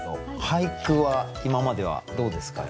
俳句は今まではどうですか？